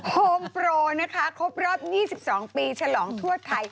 โฮมโปรนะคะครบรอบ๒๒ปีฉลองทั่วไทย